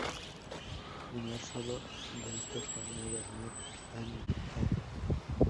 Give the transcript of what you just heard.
El primer solo de este fue "Never Meant Any Harm".